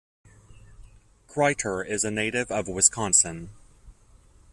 Kreiter is a native of Wisconsin.